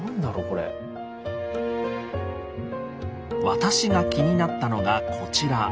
私が気になったのがこちら。